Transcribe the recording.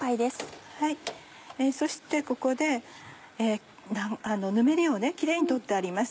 そしてここでぬめりをキレイに取ってあります。